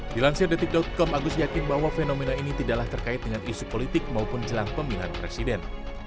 dilansir detik com agus yakin bahwa fenomena ini tidaklah terkait dengan isu politik maupun jelang pemilihan presiden